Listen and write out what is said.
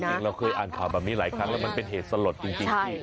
จริงเราเคยอ่านข่าวแบบนี้หลายครั้งแล้วมันเป็นเหตุสลดจริง